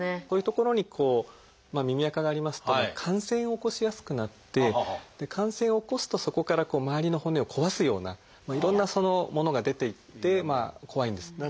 こういう所にこう耳あかがありますと感染を起こしやすくなって感染を起こすとそこから周りの骨を壊すようないろんなものが出て行って怖いんです。